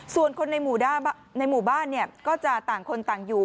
ส่วนคนในหมู่บ้านก็จะต่างคนต่างอยู่